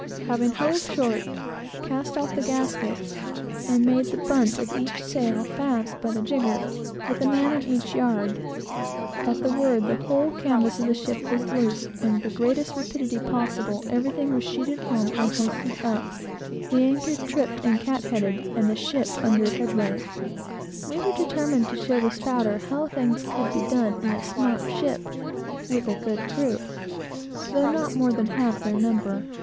Having hove short, cast off the gaskets, and made the bunt of each sail fast by the jigger, with a man on each yard; at the word, the whole canvas of the ship was loosed, and with the greatest rapidity possible, everything was sheeted home and hoisted up, the anchor tripped and catheaded, and the ship under headway. We were determined to show the "spouter" how things could be done in a smart ship, with a good crew, though not more than half their number.